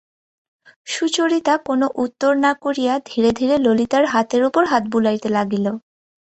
সুচরিতা কোনো উত্তর না করিয়া ধীরে ধীরে ললিতার হাতের উপর হাত বুলাইতে লাগিল।